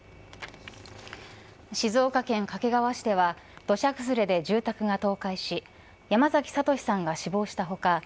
静岡県掛川市では土砂崩れで住宅が倒壊し山崎悟司さんが死亡した他